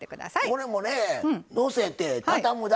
これもねのせて畳むだけ。